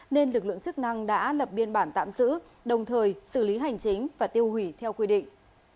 nên lực lượng chức năng đã lập biên bản tạm giữ đồng thời xử lý hành chính và tiêu hủy theo quy định